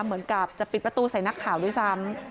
เหมือนกับจะปิดประตูใส่นักข่าวด้วยซ้ำ